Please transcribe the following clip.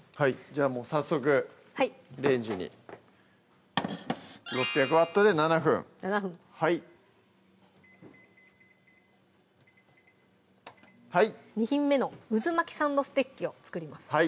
じゃあもう早速レンジに６００Ｗで７分はい２品目のうずまきサンドステッキを作ります